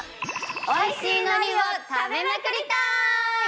おいしいのりを食べまくりたーい！